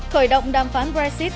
khởi động đàm phán brexit